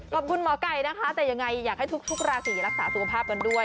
หมอไก่นะคะแต่ยังไงอยากให้ทุกราศีรักษาสุขภาพกันด้วย